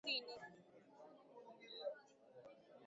Mkoa wa Dodoma upande wa kusini